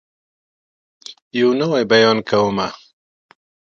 يو نوی بيان کومه